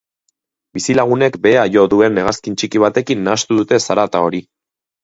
Bizilagunek behea jo duen hegazkin txiki batekin nahastu dute zarata hori.